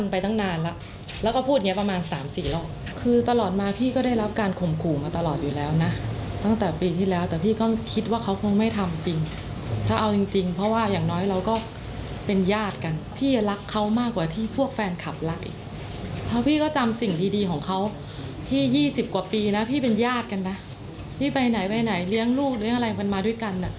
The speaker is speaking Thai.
พี่๒๐กว่าปีนะพี่เป็นญาติกันนะพี่ไปไหนไปไหนเลี้ยงลูกเลี้ยงอะไรมาด้วยกัน